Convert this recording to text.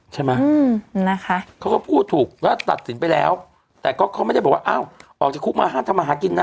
เขาก็พูดถูกก็ตัดสินไปแล้วแต่ก็ไม่ได้บอกว่าออกจากคุกมาห้ามทำอาหารกินนะ